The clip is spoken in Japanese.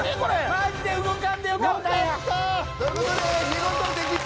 マジで動かんでよかったんや。という事で見事的中。